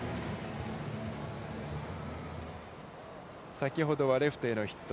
先ほどはレフトへのヒット。